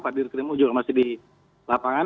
pak dirik krim ujung masih di lapangan